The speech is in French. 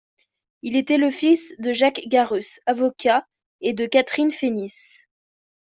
Il était le fils de Jacques Garrus, avocat, et de Catherine Fénis.